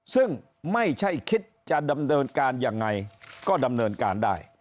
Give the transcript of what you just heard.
ซึ่งไม่ใช่คิดจะดำเนินการยังไงก็ดำเนินการได้